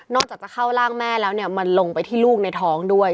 จากจะเข้าร่างแม่แล้วเนี่ยมันลงไปที่ลูกในท้องด้วย